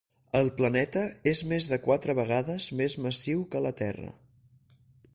El planeta és més de quatre vegades més massiu que la Terra.